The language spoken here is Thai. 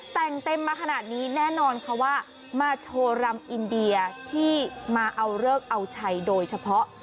แต่งเต็มมาขนาดนี้แน่นอนค่ะว่ามาโชว์รำอินเดียที่มาเอาเลิกเอาชัยโดยเฉพาะ